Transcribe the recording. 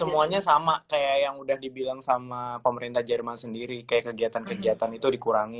semuanya sama kayak yang udah dibilang sama pemerintah jerman sendiri kayak kegiatan kegiatan itu dikurangi